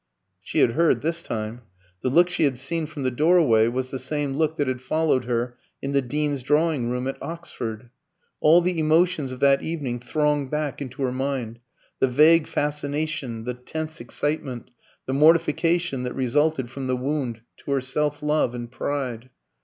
She had heard this time. The look she had seen from the doorway was the same look that had followed her in the Dean's drawing room at Oxford. All the emotions of that evening thronged back into her mind the vague fascination, the tense excitement, the mortification that resulted from the wound to her self love and pride.